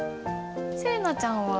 せれなちゃんは？